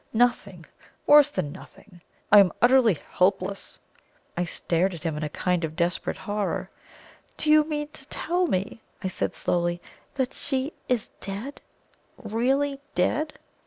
Nothing worse than nothing I am utterly helpless." I stared at him in a kind of desperate horror. "Do you mean to tell me," I said slowly, "that she is dead really dead?"